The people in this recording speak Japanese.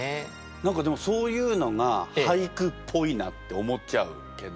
何かでもそういうのが俳句っぽいなって思っちゃうけど。